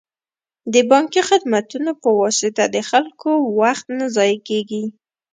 د بانکي خدمتونو په واسطه د خلکو وخت نه ضایع کیږي.